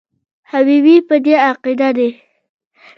حبیبي په دې عقیده دی.